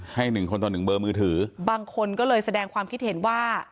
หนึ่งคนต่อหนึ่งเบอร์มือถือบางคนก็เลยแสดงความคิดเห็นว่า